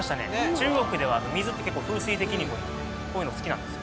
中国では水って結構風水的にもいいのでこういうの好きなんですよ